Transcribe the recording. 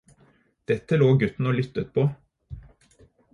Dette lå gutten og lydde på.